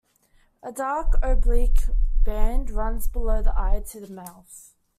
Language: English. A dark oblique band runs below the eye to the mouth.